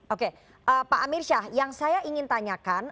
oke pak amirsyah yang saya ingin tanyakan